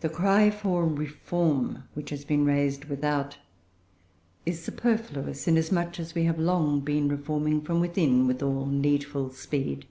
The cry for reform which has been raised without, is superfluous, inasmuch as we have long been reforming from within, with all needful speed.